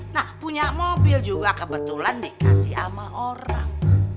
nah punya mobil juga kebetulan dikasih sama orang